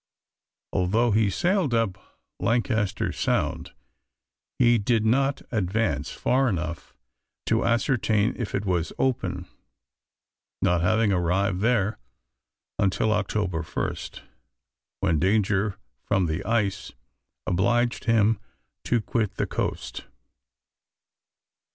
Although he sailed up Lancaster Sound, he did not advance far enough to ascertain if it was open, not having arrived there until October 1st, when danger from the ice obliged him to quit the coast.